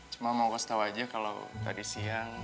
cuma mau kasih tau aja kalo tadi siang